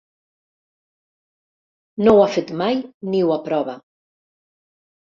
No ho ha fet mai ni ho aprova.